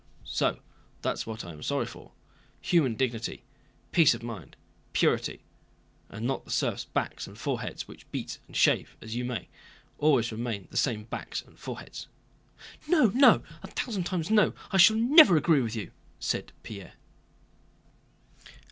"So that's what I'm sorry for—human dignity, peace of mind, purity, and not the serfs' backs and foreheads, which, beat and shave as you may, always remain the same backs and foreheads." "No, no! A thousand times no! I shall never agree with you," said Pierre.